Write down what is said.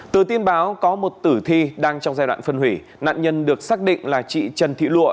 từ tin báo có một tử thi đang trong giai đoạn phân hủy nạn nhân được xác định là chị trần thị lụa